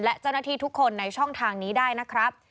และเจ้าหน้าที่ทุกคนในช่องทางนี้ได้นะครับ